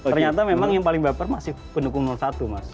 ternyata memang yang paling baper masih pendukung satu mas